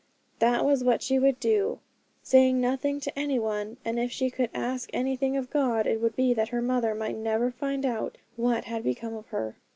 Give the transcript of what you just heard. That was what she would do, saying nothing to any one; and if she could ask anything of God, it would be that her mother might never find out what had become of her.